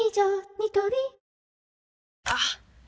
ニトリあっ！